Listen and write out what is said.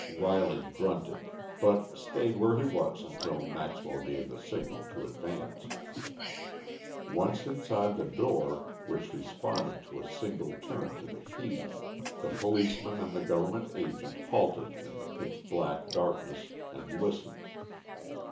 Riley grunted, but stayed where he was until Maxwell gave the signal to advance. Once inside the door, which responded to a single turn to the key, the policeman and the government agent halted in the pitch black darkness and listened.